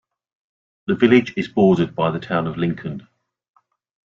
The village is bordered by the Town of Lincoln.